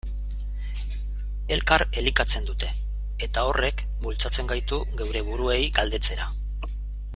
Elkar elikatzen dute, eta horrek bultzatzen gaitu geure buruei galdetzera.